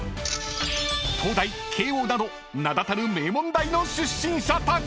［東大慶應など名だたる名門大の出身者たち！］